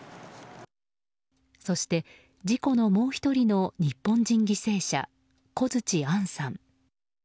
そして事故のもう１人の日本人犠牲者小槌杏さん。